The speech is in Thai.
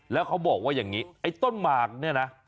แล้วเขาบอกว่าอย่างนี้ไอ้ต้นหมากเนี่ยนะ